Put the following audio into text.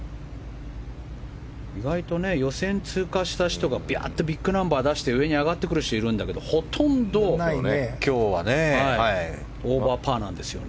意外と予選通過した人がビッグナンバーを出して上に上がってくる人がいるんだけどほとんど今日はオーバーパーなんですよね。